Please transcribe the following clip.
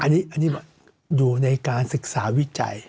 อันนี้อยู่ในการศึกษาวิจัย